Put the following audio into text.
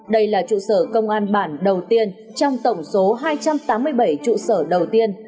đây là trụ sở công an bản đầu tiên trong tổng số hai trăm tám mươi bảy trụ sở đầu tiên